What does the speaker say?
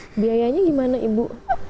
hmm biayanya gimana ibu